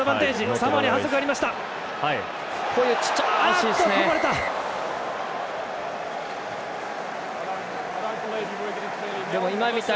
サモアに反則がありました。